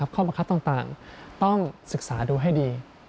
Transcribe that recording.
ข้อบังคับต่างต้องศึกษาดูให้ดี